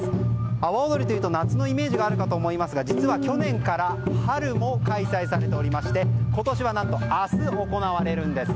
阿波踊りというと夏のイメージがあるかと思いますが実は去年から春も開催されておりまして今年は何と明日行われるんです。